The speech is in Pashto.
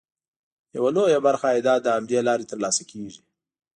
یوه لویه برخه عایدات له همدې لارې ترلاسه کېږي.